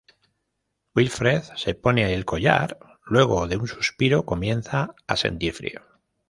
Wilfred se pone el collar, luego de un suspiro comienza a sentir frío.